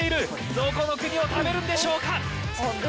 どこの国を食べるんでしょうか。